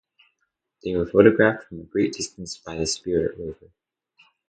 They were photographed from a great distance by the "Spirit" Rover.